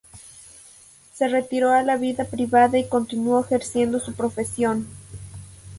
Se retiró a la vida privada y continuó ejerciendo su profesión.